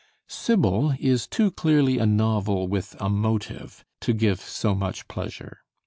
'Sibyl' is too clearly a novel with a motive to give so much pleasure.